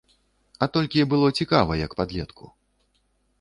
А толькі было цікава як падлетку.